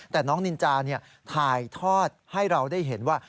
แต่น้องนินจาถ่ายทอดให้เราได้เห็นว่า